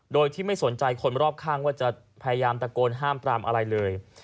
โดยที่ไม่สนใจคนรอบข้างว่าจะพยายามตะโกนห้ามปรามอะไรเลย